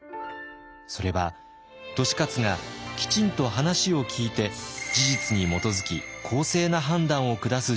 それは利勝がきちんと話を聞いて事実に基づき公正な判断を下す人物だったから。